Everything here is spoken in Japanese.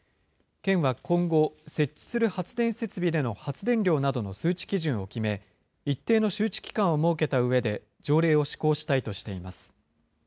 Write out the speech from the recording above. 県は今後、設置する発電設備での発電量などの数値基準を決め、一定の周知期間を設けたうえで、条例を施行したいとしています。